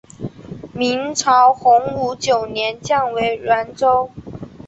明朝洪武九年降为沅州。